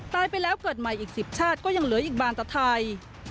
ตายไปแล้วเกิดใหม่อีก๑๐ชาติก็ยังเหลืออีกบานตะไทย